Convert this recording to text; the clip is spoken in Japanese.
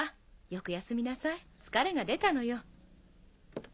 よく休みなさい疲れが出たのよ。